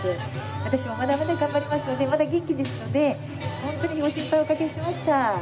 私もまだまだ頑張りますので、まだ元気ですので、本当にご心配をおかけしました。